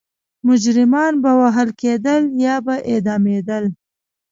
مجرمان به وهل کېدل یا به اعدامېدل.